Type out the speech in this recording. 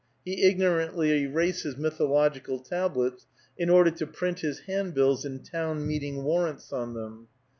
He ignorantly erases mythological tablets in order to print his handbills and town meeting warrants on them.